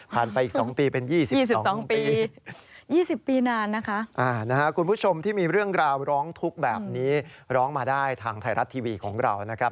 ไปอีก๒ปีเป็น๒๒ปี๒๐ปีนานนะคะคุณผู้ชมที่มีเรื่องราวร้องทุกข์แบบนี้ร้องมาได้ทางไทยรัฐทีวีของเรานะครับ